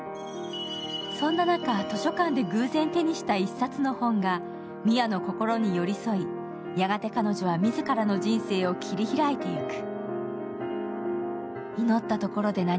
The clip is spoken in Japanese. そんな中、図書館で偶然手にした１冊の本がミアの心に寄り添い、やがて彼女は自らの人生を切り開いていく。